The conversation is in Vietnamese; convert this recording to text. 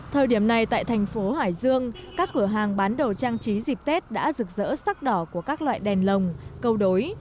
thời điểm này tại thành phố hải dương các cửa hàng bán đồ trang trí dịp tết đã rực rỡ sắc đỏ của các loại đèn lồng câu đối